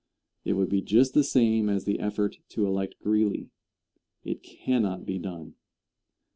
It would be just the same as the effort to elect Greeley. It cannot be done.